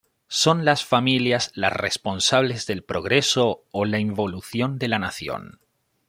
Son las familias las responsables del progreso o la involución de la nación.